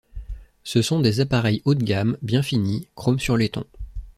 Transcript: Ce sont des appareils haut de gamme, bien finis, chrome sur laiton.